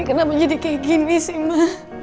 ini kenapa jadi kayak gini sih ma